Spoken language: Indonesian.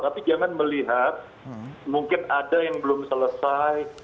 tapi jangan melihat mungkin ada yang belum selesai